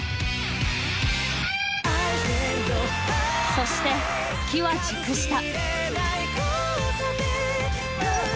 ［そして機は熟した］